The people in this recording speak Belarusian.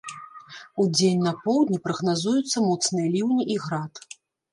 Удзень на поўдні прагназуюцца моцныя ліўні і град.